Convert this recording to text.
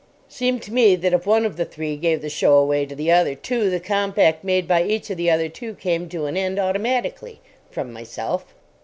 "Seemed to me that if one of the three gave the show away to the other two, the compact made by each of the other two came to an end automatically," from myself.